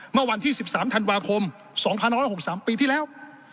เมื่อวันที่๑๓ธันวาคม๒๑๖๓ปีที่แล้ว